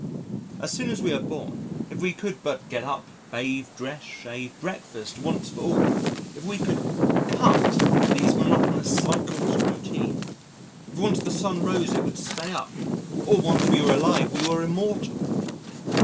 As soon as we are born, if we could but get up, bathe, dress, shave, breakfast once for all, if we could "cut" these monotonous cycles of routine. If once the sun rose it would stay up, or once we were alive we were immortal!